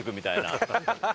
ハハハハ！